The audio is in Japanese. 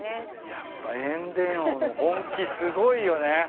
やっぱ塩田王の本気すごいよね。